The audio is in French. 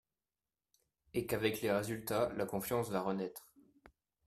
Et qu’avec les résultats, la confiance va renaître.